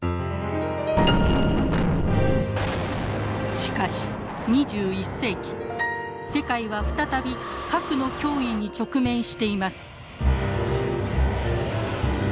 しかし２１世紀世界は再び核の脅威に直面しています。